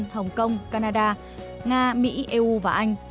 hồng kông canada nga mỹ eu và anh